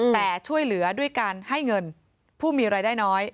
แต่ช่วยเหลือด้วยการให้เงินผู้มีรายได้น้อย